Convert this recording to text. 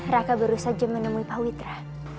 raka baru saja menemui pak witra